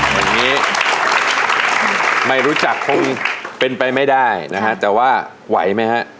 วันนี้ไม่รู้จักคงเป็นไปไม่ได้นะฮะแต่ว่าไหวไหมฮะ